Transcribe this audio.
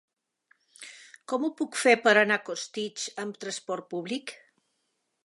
Com ho puc fer per anar a Costitx amb transport públic?